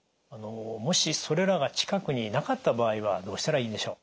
もしそれらが近くになかった場合はどうしたらいいでしょう？